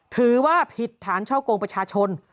ถือว่าผิดฐานช่อกงประชาชน